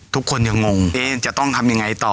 ทุกคนยังงงจะต้องทำยังไงต่อ